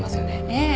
ええ。